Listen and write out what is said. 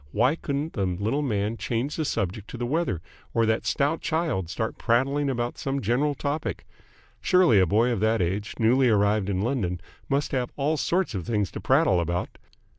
Why couldn't the little man change the subject to the weather, or that stout child start prattling about some general topic? Surely a boy of that age, newly arrived in London, must have all sorts of things to prattle about?